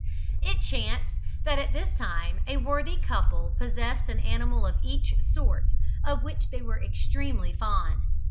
It chanced that at this time a worthy couple possessed an animal of each sort, of which they were extremely fond.